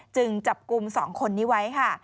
จึงจับกลุ่ม๒คนนี้ไว้ค่ะ